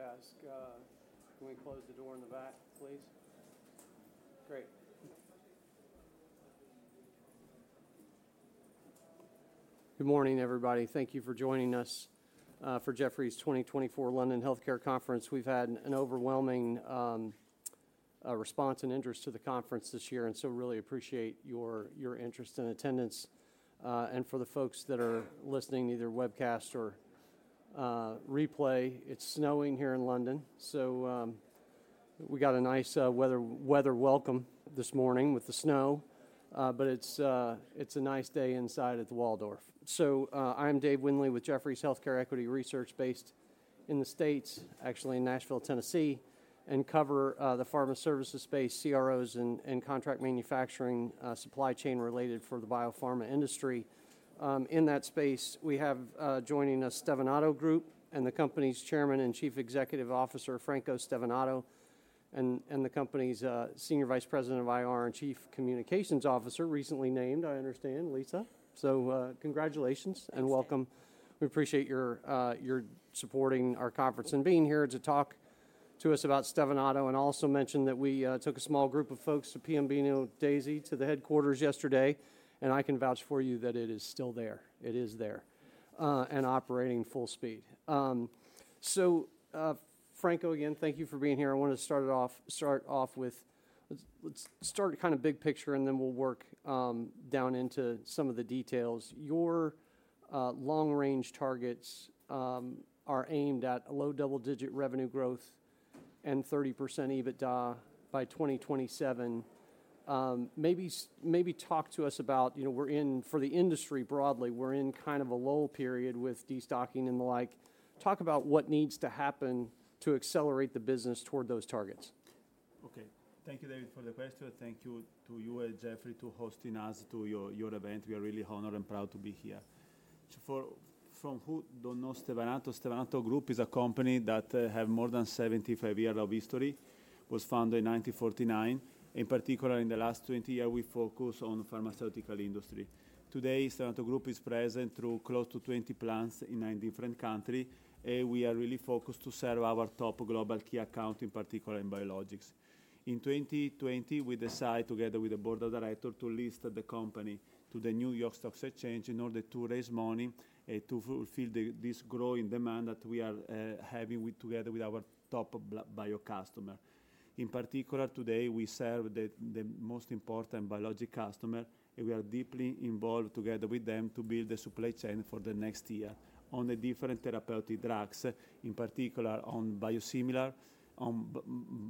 I could ask, can we close the door in the back, please? Great. Good morning, everybody. Thank you for joining us for Jefferies' 2024 London Healthcare Conference. We've had an overwhelming response and interest to the conference this year, and so really appreciate your interest and attendance. And for the folks that are listening either webcast or replay, it's snowing here in London, so we got a nice weather welcome this morning with the snow, but it's a nice day inside at the Waldorf. So, I'm Dave Windley with Jefferies Healthcare Equity Research based in the States, actually in Nashville, Tennessee, and cover the pharma services space, CROs, and contract manufacturing, supply chain related for the biopharma industry. In that space, we have joining us Stevanato Group and the company's Chairman and Chief Executive Officer, Franco Stevanato, and the company's Senior Vice President of IR and Chief Communications Officer, recently named, I understand, Lisa. So, congratulations and welcome. We appreciate your supporting our conference and being here to talk to us about Stevanato and also mention that we took a small group of folks to Piombino Dese to the headquarters yesterday, and I can vouch for you that it is still there. It is there and operating full speed, so Franco, again, thank you for being here. I wanted to start off with, let's start kind of big picture and then we'll work down into some of the details. Your long-range targets are aimed at low double-digit revenue growth and 30% EBITDA by 2027. Maybe talk to us about, you know, we're in for the industry broadly, we're in kind of a lull period with destocking and the like. Talk about what needs to happen to accelerate the business toward those targets. Okay. Thank you, Dave, for the question. Thank you to you at Jefferies for hosting us to your, your event. We are really honored and proud to be here. So, for those who don't know Stevanato, Stevanato Group is a company that has more than 75 years of history, was founded in 1949. In particular, in the last 20 years, we focus on the pharmaceutical industry. Today, Stevanato Group is present through close to 20 plants in nine different countries, and we are really focused to serve our top global key account, in particular in biologics. In 2020, we decided, together with the board of directors, to list the company on the New York Stock Exchange in order to raise money and to fulfill this growing demand that we are having together with our top bio customer. In particular, today, we serve the most important biologic customer, and we are deeply involved together with them to build the supply chain for the next year on the different therapeutic drugs, in particular on biosimilar, on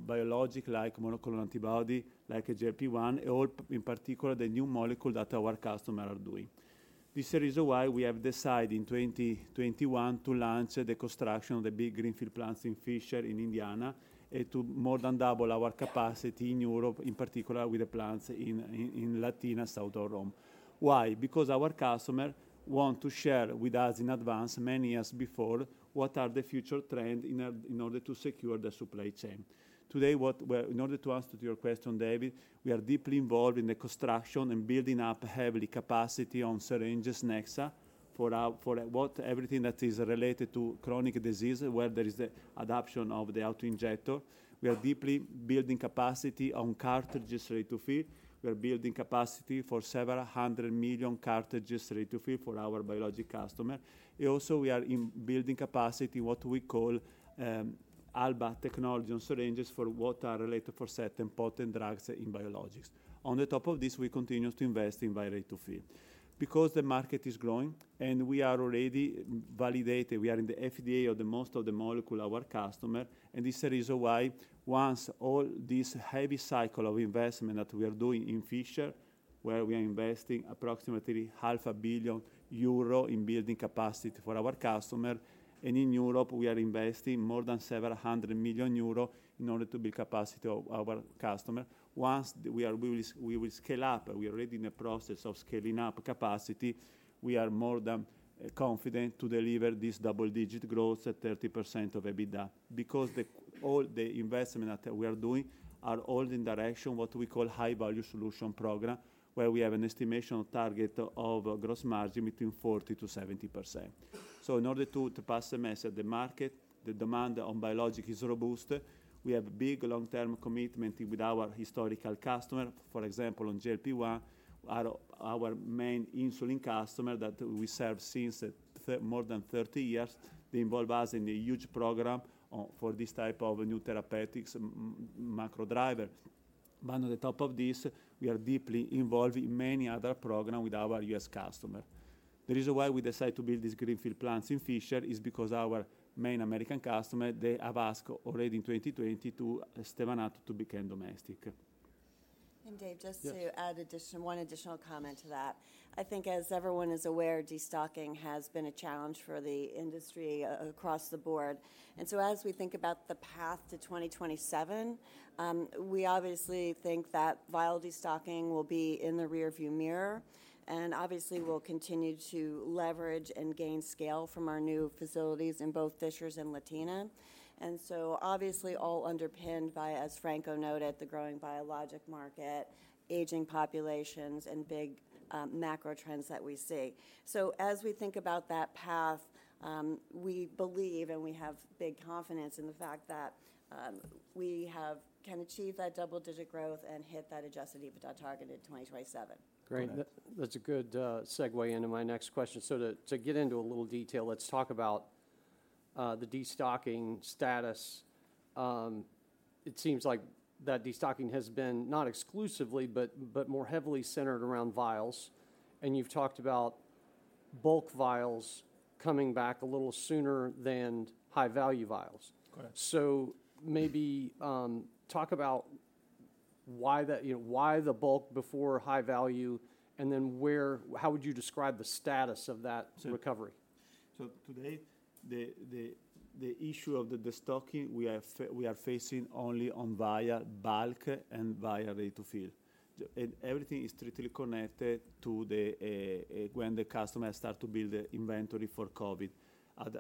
biologic like monoclonal antibody, like a GLP-1, and all, in particular, the new molecules that our customers are doing. This is the reason why we have decided in 2021 to launch the construction of the big greenfield plants in Fishers, Indiana and to more than double our capacity in Europe, in particular with the plants in Latina, south of Rome. Why? Because our customers want to share with us in advance, many years before, what are the future trends in order to secure the supply chain. Today, in order to answer to your question, David, we are deeply involved in the construction and building up heavily capacity on syringes, Nexa, for everything that is related to chronic disease, where there is the adoption of the autoinjector. We are deeply building capacity on cartridges ready to fill. We are building capacity for several hundred million cartridges ready to fill for our biologic customers. And also, we are in building capacity what we call ALBA technology on syringes for what are related for certain potent drugs in biologics. On the top of this, we continue to invest in vial ready to fill because the market is growing and we are already validated. We are ahead of the FDA for most of the molecules our customers, and this is the reason why once all this heavy cycle of investment that we are doing in Fishers, where we are investing approximately 500 million euro in building capacity for our customers, and in Europe, we are investing more than several hundred million EUR in order to build capacity for our customers. Once we are, we will, we will scale up. We are already in the process of scaling up capacity. We are more than confident to deliver this double-digit growth at 30% of EBITDA because all the investment that we are doing are all in direction of what we call high-value solutions program, where we have an estimation of target of gross margin between 40%-70%. So in order to pass the message, the market, the demand on biologics is robust. We have a big long-term commitment with our historical customer. For example, on GLP-1, our main insulin customer that we serve since more than 30 years, they involve us in a huge program for this type of new therapeutics macro driver. But on the top of this, we are deeply involved in many other programs with our U.S. customers. The reason why we decided to build these greenfield plants in Fishers is because our main American customer, they have asked already in 2020 to Stevanato to become domestic. Dave, just to add additional, one additional comment to that. I think as everyone is aware, destocking has been a challenge for the industry across the board. And so as we think about the path to 2027, we obviously think that vial destocking will be in the rearview mirror, and obviously we'll continue to leverage and gain scale from our new facilities in both Fishers and Latina. And so obviously all underpinned by, as Franco noted, the growing biologic market, aging populations, and big, macro trends that we see. So as we think about that path, we believe, and we have big confidence in the fact that, we can achieve that double-digit growth and hit that adjusted EBITDA target in 2027. Great. That's a good segue into my next question. So to get into a little detail, let's talk about the destocking status. It seems like that destocking has been not exclusively, but more heavily centered around vials. And you've talked about bulk vials coming back a little sooner than high-value vials. So maybe talk about why that, you know, why the bulk before high-value, and then where, how would you describe the status of that recovery? Today, the issue of the destocking we are facing only on vial bulk and vial ready-to-fill. And everything is strictly connected to when the customers start to build the inventory for COVID.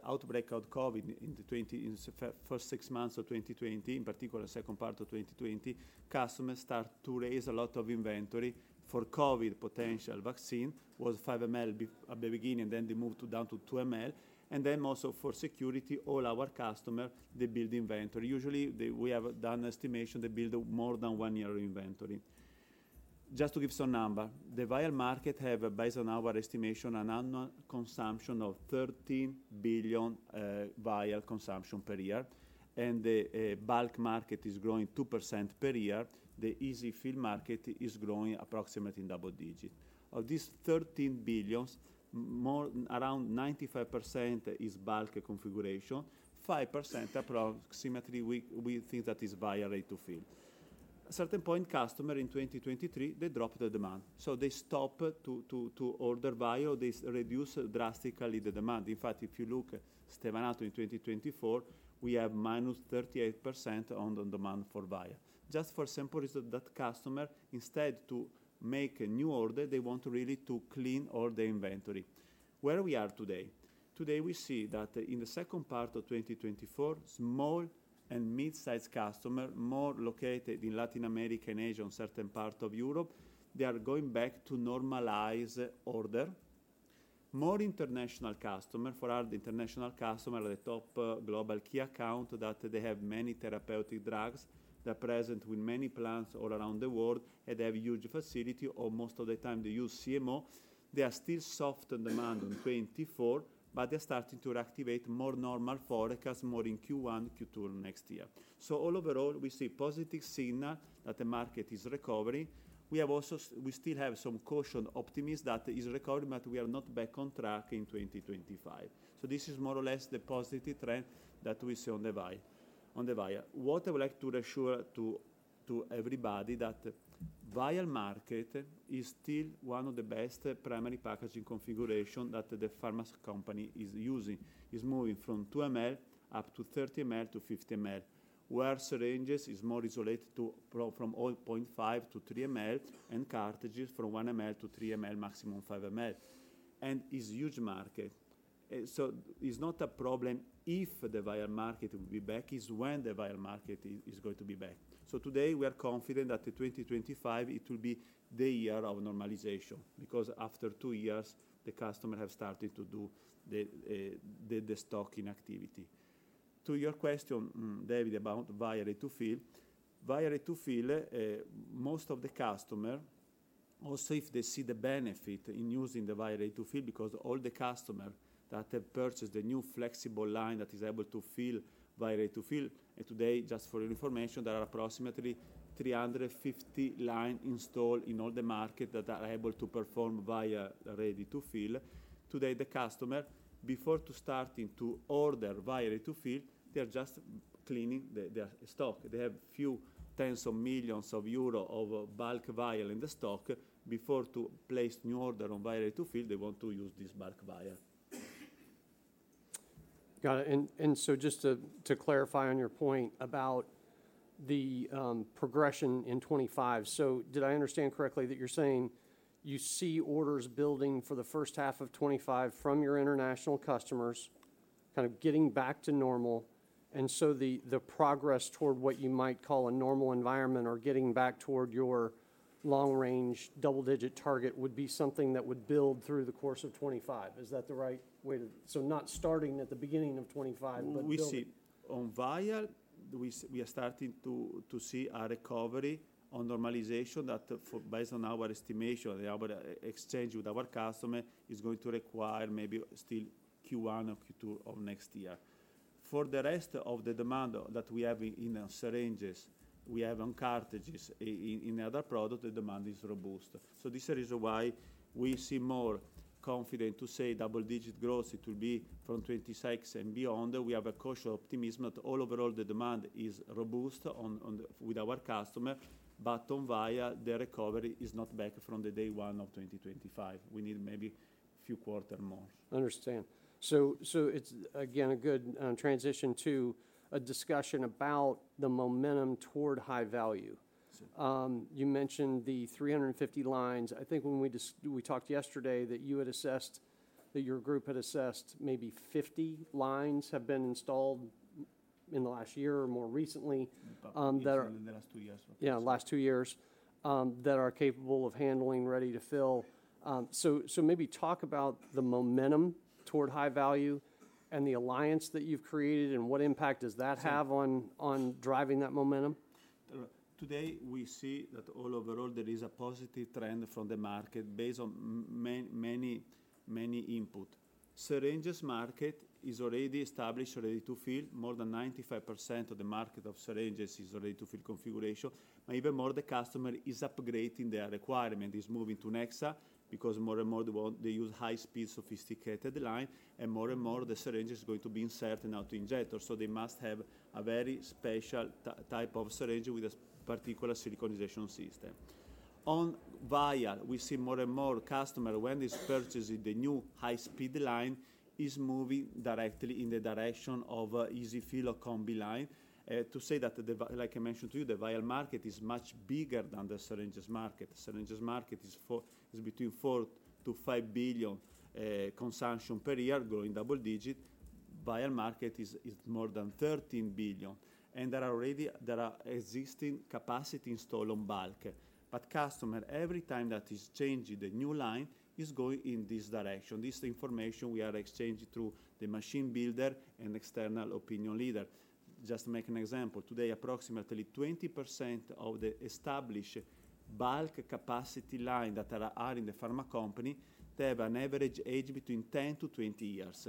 Outbreak of COVID in 2020, in the first six months of 2020, in particular the second part of 2020, customers start to raise a lot of inventory for COVID potential vaccine was 5 mL at the beginning, and then they moved down to 2 mL. And then also for security, all our customers, they build inventory. Usually we have done estimation they build more than one year inventory. Just to give some number, the vial market have, based on our estimation, an annual consumption of 13 billion vial consumption per year. And the bulk market is growing 2% per year. The EZ-fill market is growing approximately in double digit. Of these 13 billion, more around 95% is bulk configuration, 5% approximately we think that is via ready to fill. At a certain point, customer in 2023, they dropped the demand. So they stopped to order vial. They reduced drastically the demand. In fact, if you look at Stevanato in 2024, we have minus 38% on the demand for vial. Just for simple reason that customer, instead to make a new order, they want really to clean all the inventory. Where we are today, we see that in the second part of 2024, small and mid-sized customer, more located in Latin America and Asia and certain parts of Europe, they are going back to normalize order. More international customer, for our international customer, the top global key account that they have many therapeutic drugs that are present with many plants all around the world and have huge facility, or most of the time they use CMO, they are still soft on demand in 2024, but they are starting to reactivate more normal volumes, more in Q1, Q2 next year. So all overall, we see positive signal that the market is recovering. We have also, we still have some cautious optimism that is recovering, but we are not back on track in 2025. So this is more or less the positive trend that we see on the vial. On the vial. What I would like to reassure to everybody that vial market is still one of the best primary packaging configurations that the pharma company is using. It's moving from 2 mL up to 30 mL to 50 mL. Where syringes is more isolated to from 0.5 to 3 mL and cartridges from 1 mL to 3 mL, maximum 5 mL. And it's a huge market. And so it's not a problem if the vial market will be back, it's when the vial market is going to be back. So today we are confident that in 2025 it will be the year of normalization because after two years the customer has started to do the stocking activity. To your question, David, about vial ready to fill, vial ready to fill, most of the customer, also if they see the benefit in using the vial ready to fill because all the customer that have purchased the new flexible line that is able to fill vial ready to fill, and today, just for your information, there are approximately 350 lines installed in all the market that are able to perform vial ready to fill. Today the customer, before starting to order vial ready to fill, they are just cleaning their stock. They have a few tens of millions EUR of bulk vial in the stock before to place new order on vial ready to fill, they want to use this bulk vial. Got it. And so just to clarify on your point about the progression in 2025, so did I understand correctly that you're saying you see orders building for the first half of 2025 from your international customers, kind of getting back to normal, and so the progress toward what you might call a normal environment or getting back toward your long-range double-digit target would be something that would build through the course of 2025? Is that the right way, so not starting at the beginning of 2025, but. We see on vial, we are starting to see a recovery on normalization that, for based on our estimation, our exchange with our customer is going to require maybe still Q1 or Q2 of next year. For the rest of the demand that we have in syringes, we have on cartridges, in other products, the demand is robust. So this is the reason why we see more confident to say double-digit growth; it will be from 2026 and beyond. We have a cautious optimism that overall the demand is robust with our customer, but on vial, the recovery is not back from day one of 2025. We need maybe a few quarters more. Understood, so it's again a good transition to a discussion about the momentum toward high value. You mentioned the 350 lines. I think when we discussed we talked yesterday that you had assessed maybe 50 lines have been installed in the last year or more recently. In the last two years. Yeah, last two years that are capable of handling ready-to-fill. So maybe talk about the momentum toward high-value and the alliance that you've created and what impact does that have on driving that momentum? Today we see that all overall there is a positive trend from the market based on many, many, many input. Syringes market is already established, ready to fill. More than 95% of the market of syringes is ready to fill configuration. Even more, the customer is upgrading their requirement, is moving to Nexa because more and more they want, they use high-speed sophisticated line, and more and more the syringe is going to be inserted in autoinjector. So they must have a very special type of syringe with a particular siliconization system. On vial, we see more and more customer, when they purchase the new high-speed line, is moving directly in the direction of easy fill or combi line. To say that the, like I mentioned to you, the vial market is much bigger than the syringes market. Syringes market is between 4-5 billion consumption per year, growing double-digit. Vial market is more than 13 billion. And there are already existing capacity installed on bulk. But customer, every time that is changing the new line, is going in this direction. This information we are exchanging through the machine builder and external opinion leader. Just to make an example, today approximately 20% of the established bulk capacity line that are in the pharma company, they have an average age between 10-20 years.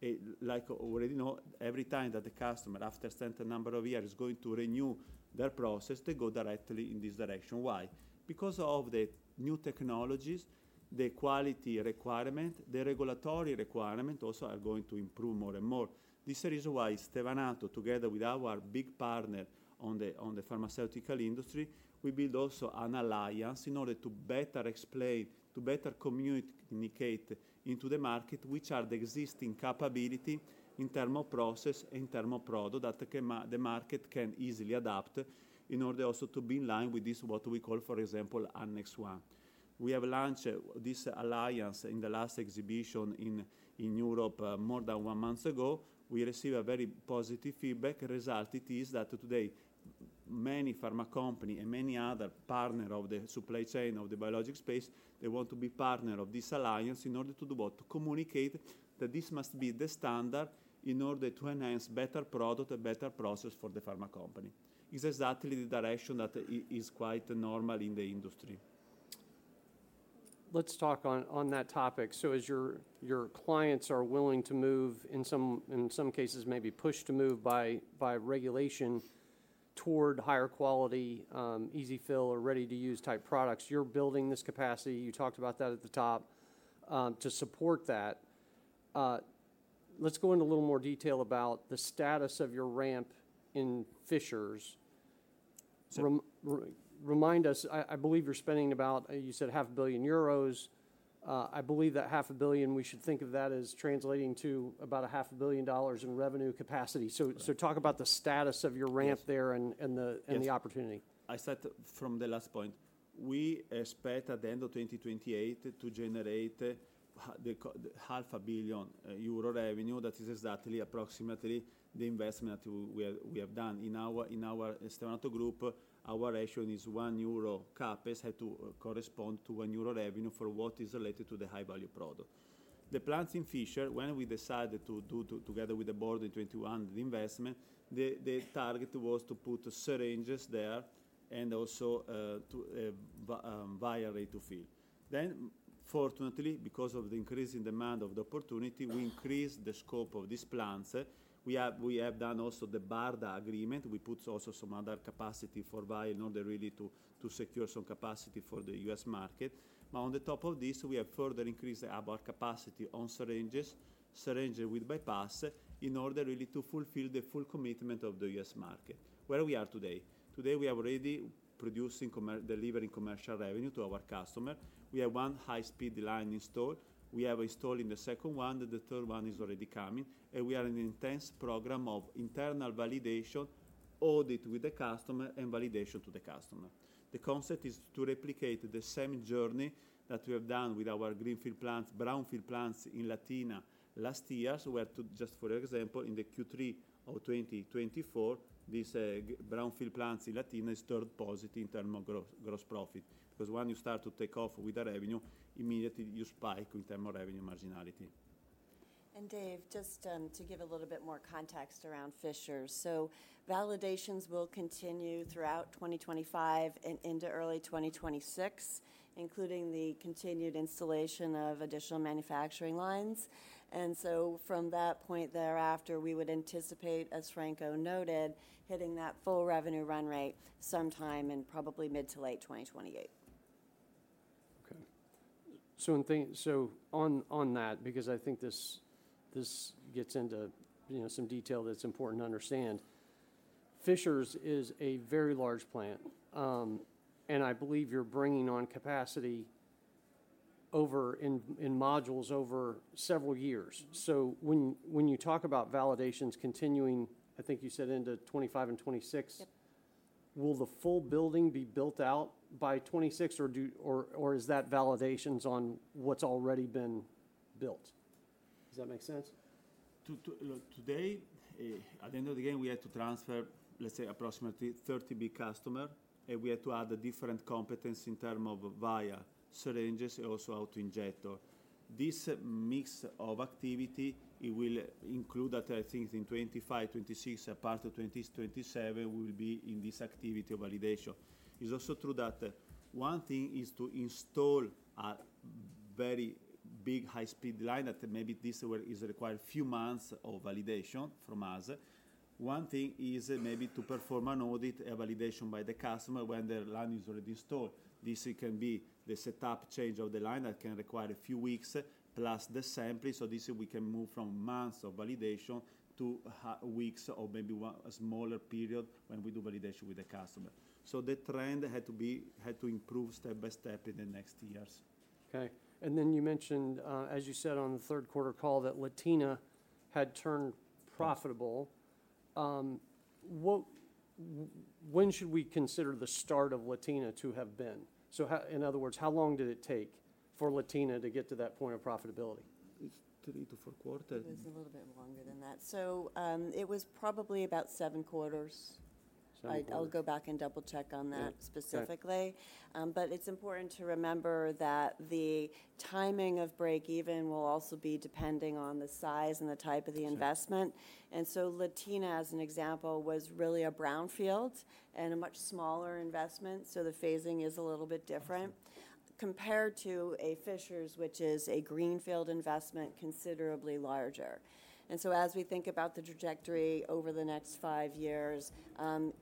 As you already know, every time that the customer, after a certain number of years, is going to renew their process, they go directly in this direction. Why? Because of the new technologies, the quality requirement, the regulatory requirement also are going to improve more and more. This is the reason why Stevanato, together with our big partner on the pharmaceutical industry, we build also an alliance in order to better explain, to better communicate into the market which are the existing capability in thermo process and thermo product that the market can easily adapt in order also to be in line with this, what we call, for example, Annex 1. We have launched this alliance in the last exhibition in Europe more than one month ago. We received very positive feedback. The result is that today many pharma companies and many other partners of the supply chain of the biologic space, they want to be partners of this alliance in order to do what? To communicate that this must be the standard in order to enhance better product and better process for the pharma company. It's exactly the direction that is quite normal in the industry. Let's talk on that topic. So as your clients are willing to move in some cases maybe push to move by regulation toward higher quality, easy fill or ready to use type products, you're building this capacity. You talked about that at the top, to support that. Let's go into a little more detail about the status of your ramp in Fishers. Remind us, I believe you're spending about, you said 500 million euros. I believe that half a billion, we should think of that as translating to about $500 million in revenue capacity. So talk about the status of your ramp there and the opportunity. I said from the last point, we expect at the end of 2028 to generate 500 million euro revenue. That is exactly approximately the investment that we have done in our Stevanato Group. Our ratio is one euro CapEx has to correspond to one euro revenue for what is related to the high-value product. The plants in Fishers, when we decided to do together with the board in 2021 the investment, the target was to put syringes there and also to do vials ready-to-fill. Then fortunately, because of the increase in demand of the opportunity, we increased the scope of these plants. We have done also the BARDA agreement. We put also some other capacity for vials in order really to secure some capacity for the U.S. market. But on the top of this, we have further increased our capacity on syringes, syringe with bypass in order really to fulfill the full commitment of the U.S. market. Where we are today, today we are already producing, delivering commercial revenue to our customer. We have one high-speed line installed. We have installed in the second one. The third one is already coming. And we are in an intense program of internal validation, audit with the customer, and validation to the customer. The concept is to replicate the same journey that we have done with our greenfield plants, brownfield plants in Latina last year where to just for example in the Q3 of 2024, this brownfield plant in Latina has turned positive in terms of gross profit because when you start to take off with the revenue, immediately you spike in terms of revenue marginality. And Dave, just to give a little bit more context around Fishers. So validations will continue throughout 2025 and into early 2026, including the continued installation of additional manufacturing lines. And so from that point thereafter, we would anticipate, as Franco noted, hitting that full revenue run rate sometime in probably mid to late 2028. Okay. I think so, on that, because I think this gets into, you know, some detail that's important to understand. Fishers is a very large plant. I believe you're bringing on capacity in modules over several years. When you talk about validations continuing, I think you said into 2025 and 2026, will the full building be built out by 2026 or is that validations on what's already been built? Does that make sense? To look, today, at the end of the game, we have to transfer, let's say, approximately 30 big customers, and we have to add the different competence in terms of vial syringes and also autoinjector. This mix of activity, it will include that I think in 2025, 2026, part of 2026, 2027 will be in this activity of validation. It's also true that one thing is to install a very big high-speed line that maybe this is required a few months of validation from us. One thing is maybe to perform an audit and validation by the customer when the line is already installed. This can be the setup change of the line that can require a few weeks plus the sampling. So this we can move from months of validation to weeks or maybe one smaller period when we do validation with the customer. The trend had to be, had to improve step by step in the next years. Okay. And then you mentioned, as you said on the third quarter call, that Latina had turned profitable. What, when should we consider the start of Latina to have been? So how, in other words, how long did it take for Latina to get to that point of profitability? It's three to four quarters. It was a little bit longer than that. So, it was probably about seven quarters. I'll go back and double-check on that specifically. But it's important to remember that the timing of break-even will also be depending on the size and the type of the investment. And so Latina, as an example, was really a brownfield and a much smaller investment. So the phasing is a little bit different compared to a Fishers, which is a greenfield investment considerably larger. And so as we think about the trajectory over the next five years,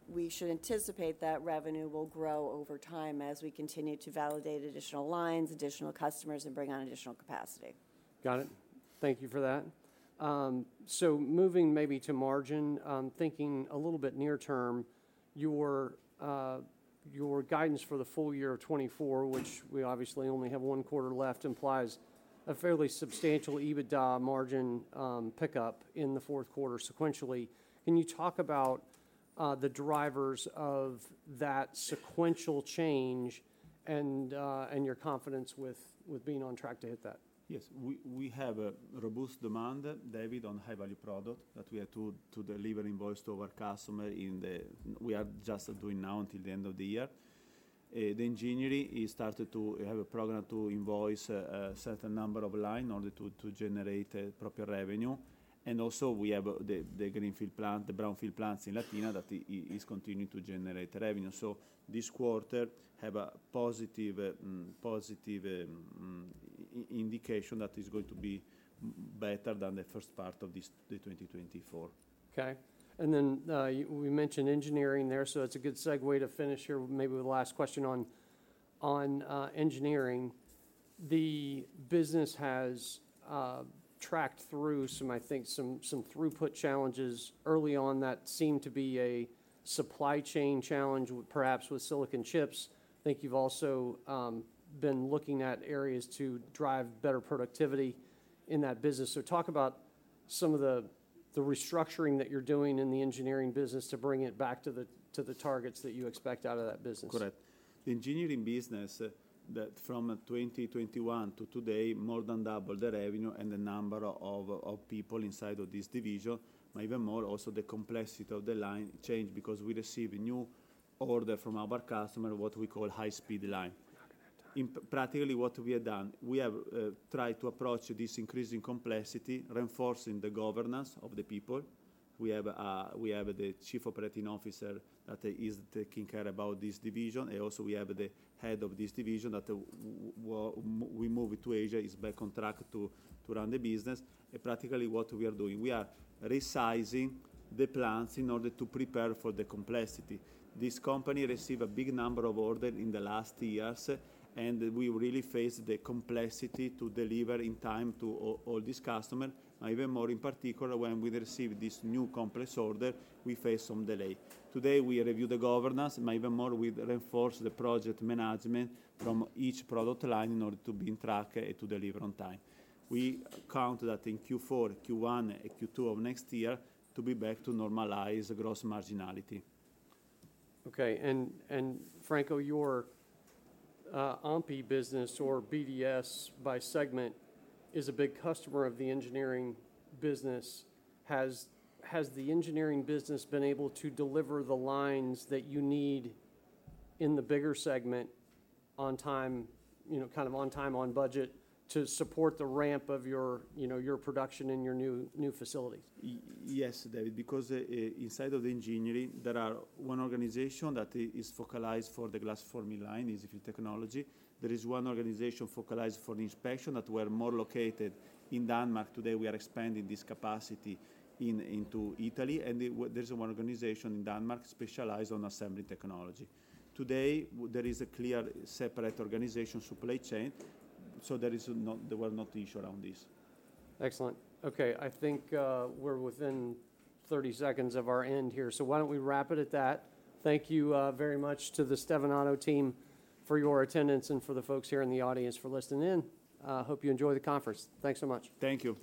we should anticipate that revenue will grow over time as we continue to validate additional lines, additional customers, and bring on additional capacity. Got it. Thank you for that. So moving maybe to margin, thinking a little bit near term, your guidance for the full year of 2024, which we obviously only have one quarter left, implies a fairly substantial EBITDA margin pickup in the fourth quarter sequentially. Can you talk about the drivers of that sequential change and your confidence with being on track to hit that? Yes. We have a robust demand, David, on high-value product that we have to deliver invoice to our customer in the. We are just doing now until the end of the year. The engineering, he started to have a program to invoice a certain number of lines in order to generate proper revenue. And also we have the greenfield plant, the brownfield plants in Latina that is continuing to generate revenue. So this quarter have a positive indication that is going to be better than the first part of this, the 2024. Okay. And then, we mentioned engineering there. So it's a good segue to finish here maybe with the last question on engineering. The business has tracked through some, I think, throughput challenges early on that seem to be a supply chain challenge, perhaps with silicon chips. I think you've also been looking at areas to drive better productivity in that business. So talk about some of the restructuring that you're doing in the engineering business to bring it back to the targets that you expect out of that business. Correct. The engineering business that from 2021 to today more than doubled the revenue and the number of people inside of this division, but even more also the complexity of the line change because we received a new order from our customer, what we call high-speed line. In practically what we have done, we have tried to approach this increasing complexity, reinforcing the governance of the people. We have the Chief Operating Officer that is taking care about this division. And also we have the head of this division that we moved to Asia is back on track to run the business. And practically what we are doing, we are resizing the plants in order to prepare for the complexity. This company received a big number of orders in the last years, and we really faced the complexity to deliver in time to all, all these customers. But even more in particular, when we received this new complex order, we faced some delay. Today we reviewed the governance, but even more we reinforced the project management from each product line in order to be in track and to deliver on time. We count that in Q4, Q1, and Q2 of next year to be back to normalize gross marginality. Okay, and Franco, your Ompi business or glass business segment is a big customer of the engineering business. Has the engineering business been able to deliver the lines that you need in the glass segment on time, you know, kind of on time, on budget to support the ramp of your production, you know, in your new facilities? Yes, Dave, because, inside of the engineering, there are one organization that is focused for the glass formula in this technology. There is one organization focused for the inspection that were more located in Denmark. Today we are expanding this capacity into Italy. And there's one organization in Denmark specialized on assembly technology. Today there is a clear separate organization supply chain. So there is not, there were not issues around this. Excellent. Okay. I think, we're within 30 seconds of our end here. So why don't we wrap it at that? Thank you, very much to the Stevanato team for your attendance and for the folks here in the audience for listening in. Hope you enjoy the conference. Thanks so much. Thank you.